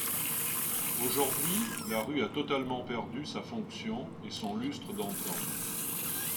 Aujourd'hui, la rue a totalement perdu sa fonction et son lustre d'antan.